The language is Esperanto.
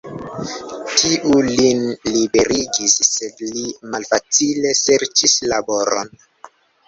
Tiu lin liberigis, sed li malfacile serĉis laboron.